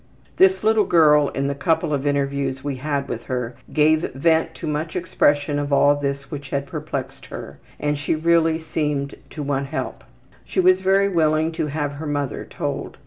'' This little girl in the couple of interviews we had with her gave vent to much expression of all this which had perplexed her, and she really seemed to want help. She was very willing to have her mother told.